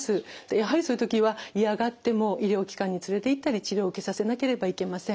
やはりそういう時は嫌がっても医療機関に連れていったり治療を受けさせなければいけません。